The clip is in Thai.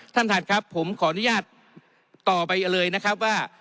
ท่านท่านครับผมขออนุญาตต่อไปเลยนะครับว่า